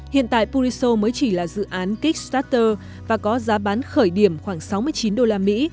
hiện tại puriso mới chỉ là dự án kistarter và có giá bán khởi điểm khoảng sáu mươi chín đô la mỹ